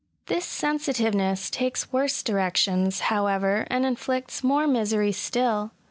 This sensitiveness takes worse directions, how ever, and inflicts more misery still.